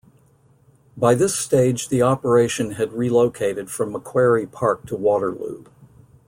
By this stage the operation had relocated from Macquarie Park to Waterloo.